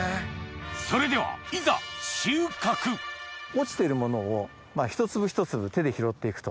それではいざ収穫落ちているものをひと粒ひと粒手で拾って行くと。